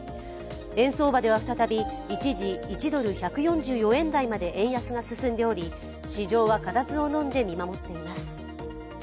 円相場では再び、一時１ドル＝１４４円台まで円安が進んでおり、市場固唾をのんで見守っています。